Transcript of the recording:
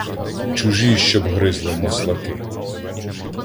Чужі щоб гризли маслаки.